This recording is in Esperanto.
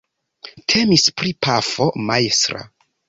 Temis pri pafo majstra.